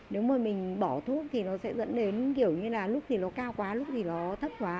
nếu mà mình bỏ thuốc thì nó sẽ dẫn đến kiểu như là lúc thì nó cao quá lúc thì nó thấp quá